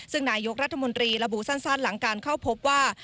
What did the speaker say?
ซึ่งนายกรัฐมนตรีระบุสั้นหลังการเข้าพบว่า